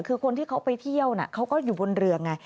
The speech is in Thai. คือคนที่เขาไปเที่ยวเขาก็อยู่บนเรือไง